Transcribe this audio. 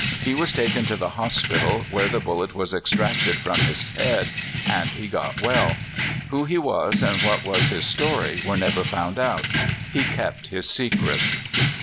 He was taken to the hospital, where the bullet was extracted from his head, and he got well. Who he was, and what was his story, were never found out. He kept his secret.